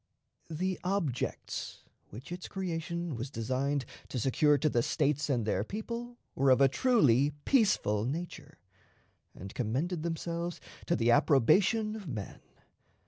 The objects which its creation was designed to secure to the States and their people were of a truly peaceful nature, and commended themselves to the approbation of men.